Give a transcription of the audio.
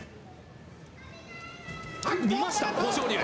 見ました、豊昇龍。